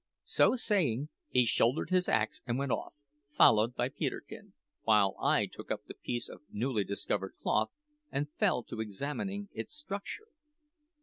So saying, he shouldered his axe and went off; followed by Peterkin; while I took up the piece of newly discovered cloth, and fell to examining its structure.